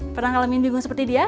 pernah ngalamin bingung seperti dia